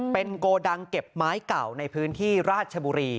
เป็นโกดังเก็บไม้เก่าในพื้นที่ราชบุรี